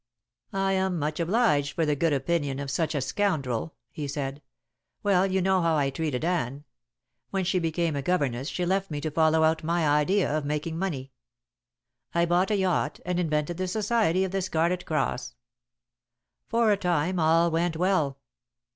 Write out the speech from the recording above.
"I am much obliged for the good opinion of such a scoundrel," he said. "Well, you know how I treated Anne. When she became a governess she left me to follow out my idea of making money. I bought a yacht, and invented the Society of the Scarlet Cross. For a time all went well.